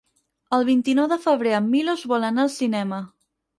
El vint-i-nou de febrer en Milos vol anar al cinema.